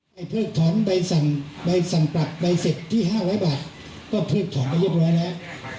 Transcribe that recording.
เพิกถอนใบสั่งใบสั่งปรับใบเสร็จที่๕๐๐บาทก็เพิกถอนไปเรียบร้อยแล้ว